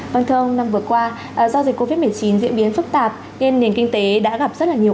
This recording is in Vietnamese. vâng thưa ông năm vừa qua do dịch covid một mươi chín diễn biến phức tạp nên nền kinh tế đã gặp rất là nhiều